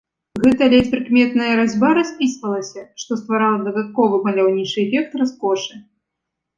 Гэта ледзь прыкметная разьба распісвалася, што стварала дадатковы маляўнічы эфект раскошы.